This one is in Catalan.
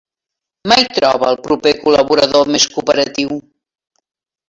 Mal troba el proper col·laborador més cooperatiu.